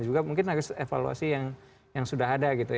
juga mungkin harus evaluasi yang sudah ada gitu ya